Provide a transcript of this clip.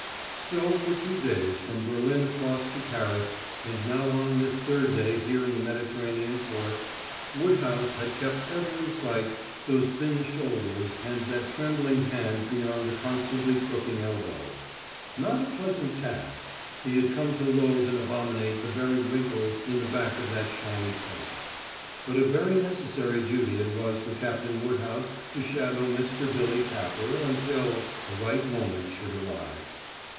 So for two days, from Berlin across to Paris, and now on this third day here in the Mediterranean port, Woodhouse had kept ever in sight those thin shoulders and that trembling hand beyond the constantly crooking elbow. Not a pleasant task; he had come to loathe and abominate the very wrinkles in the back of that shiny coat. But a very necessary duty it was for Captain Woodhouse to shadow Mr. Billy Capper until the right moment should arrive.